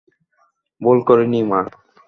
ভুল করিনি, মা।